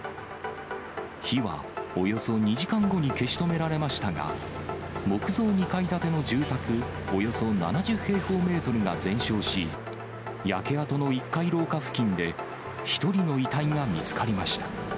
火はおよそ２時間後に消し止められましたが、木造２階建ての住宅およそ７０平方メートルが全焼し、焼け跡の１階廊下付近で、１人の遺体が見つかりました。